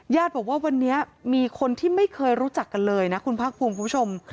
บอกว่าวันนี้มีคนที่ไม่เคยรู้จักกันเลยนะคุณภาคภูมิคุณผู้ชม